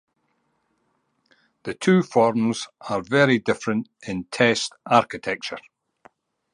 The two forms are very different in test architecture.